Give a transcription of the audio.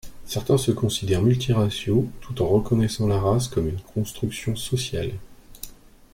Certains se considèrent multiraciaux, tout en reconnaissant la race comme une construction sociale.